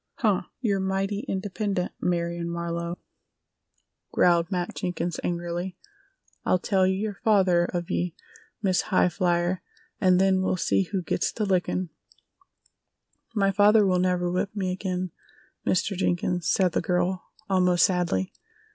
"Huh! You're mighty independent, Marion Marlowe!" growled Matt Jenkins angrily. "I'll tell yer father of ye, Miss High flyer, an' then we'll see who gits the lickin'." "My father will never whip me again, Mr. Jenkins," said the girl, almost sadly.